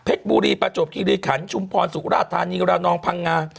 เพชรบุรีประจบกิริขันศ์ชุมพรสุรราชธานีราวนองพังงา